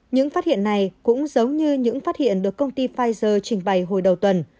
những phát hiện này cũng giống như những phát hiện được công ty pfizer trình bày hồi đầu tuần